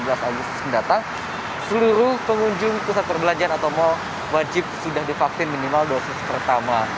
tujuh belas agustus mendatang seluruh pengunjung pusat perbelanjaan atau mal wajib sudah divaksin minimal dosis pertama